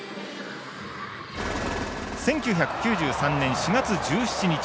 １９９３年４月１７日。